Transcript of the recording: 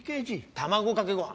卵かけご飯。